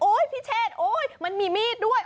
โอ๊ยพี่เชศมันมีมีดด้วย